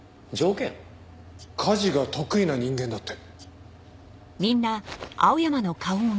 家事が得意な人間だって。